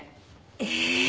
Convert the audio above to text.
え？